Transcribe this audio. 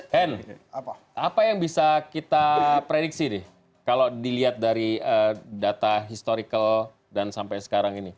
hen apa yang bisa kita prediksi kalau dilihat dari data historical dan sampai sekarang ini